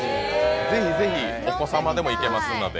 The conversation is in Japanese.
ぜひぜひお子様でもいけますので。